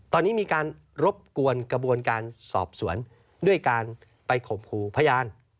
ตอนนี้มีการรบกวนกระบวนการสอบสวนด้วยการไปข่มขู่พยาน